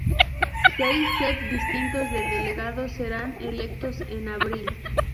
Seis set distintos de delegados serán electos en abril.